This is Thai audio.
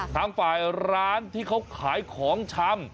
ทางฝ่ายร้านที่เขาขายของชำ